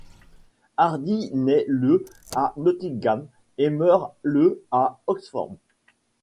Hardy naît le à Nottingham, et meurt le à Oxford.